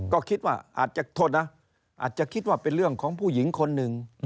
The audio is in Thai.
ก็คิดว่าอาจจะโทษนะอาจจะคิดว่าเป็นเรื่องของผู้หญิงคนหนึ่ง